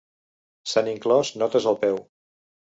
S'han inclòs notes al peu.